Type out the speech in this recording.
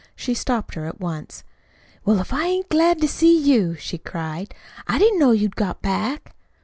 She stopped her at once. "Well, if I ain't glad to see you!" she cried. "I didn't know you'd got back."